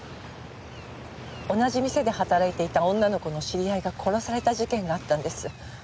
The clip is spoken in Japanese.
同じ店で働いていた女の子の知り合いが殺された事件があったんです。